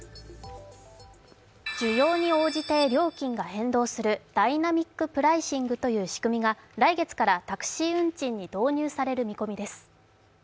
需要に応じて料金が変動するダイナミック・プライシングという仕組みが来月からタクシー運賃に導入される見込みです。